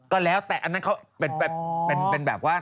ก็แล้วแต่อันนั้นเขาเป็นแบบว่า